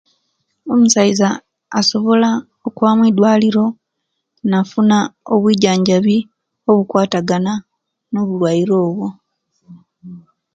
Omusaiza asobola okwaba omwidwaliro nafuna obwijanjabi obukwatagana no'bulwaire obwo